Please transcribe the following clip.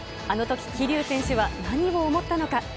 あのとき桐生選手は何を思ったのか。